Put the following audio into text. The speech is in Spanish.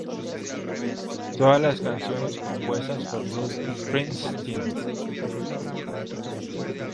Todas las canciones compuestas por Bruce Springsteen.